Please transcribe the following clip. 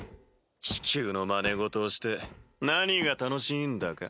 地球のまね事をして何が楽しいんだか。